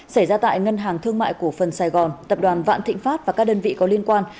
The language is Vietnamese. xảy ra tại ngân hàng thương mại cổ phần sài gòn tập đoàn vạn thịnh pháp và các đơn vị có liên quan